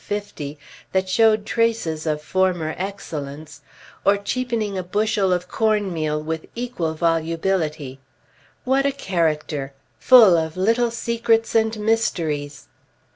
150, that showed traces of former excellence; or cheapening a bushel of corn meal with equal volubility. What a character! Full of little secrets and mysteries.